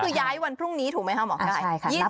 คือย้ายวันพรุ่งนี้ถูกมั้ยครับเหรอหมอไกล